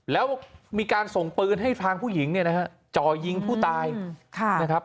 แล้วมีการส่งปืนให้ทางผู้หญิงเนี่ยนะฮะจ่อยิงผู้ตายนะครับ